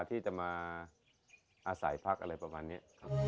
ที่จะมาอาศัยพักอะไรประมาณนี้ครับ